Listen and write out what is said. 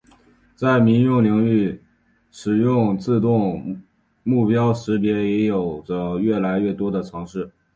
在民用领域使用自动目标识别也有着越来越多的尝试。